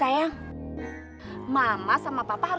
iya tuh monkfeit